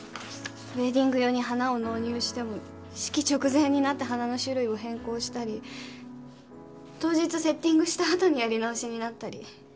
ウエディング用に花を納入しても式直前になって花の種類を変更したり当日セッティングした後にやり直しになったり。